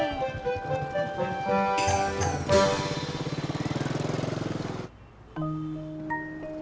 gak ada yang ngerti